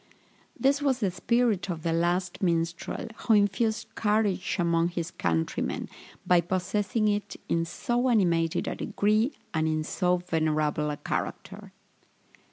This was the spirit of the "Last Minstrel," who infused courage among his countrymen, by possessing it in so animated a degree, and in so venerable a character.